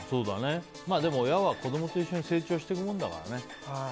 親は子供と一緒に成長していくものだからね。